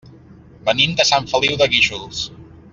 Venim de Sant Feliu de Guíxols.